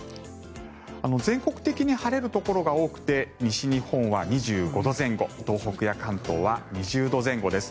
全国的に晴れるところが多くて西日本は２５度前後東北や関東は２０度前後です。